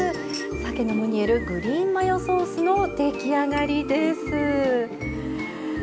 さけのムニエルグリーンマヨソースの出来上がりです。